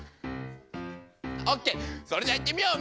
オッケーそれじゃあいってみよう！